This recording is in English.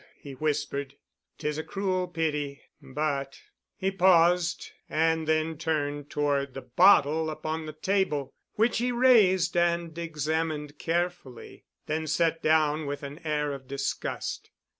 he whispered. "'Tis a cruel pity, but—" He paused and then turned toward the bottle upon the table, which he raised and examined carefully, then set down with an air of disgust.